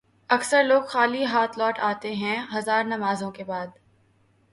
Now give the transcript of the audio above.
اکثر لوگ خالی ہاتھ لوٹ آتے ہیں ہزار نمازوں کے بعد